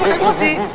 gak usah nyosih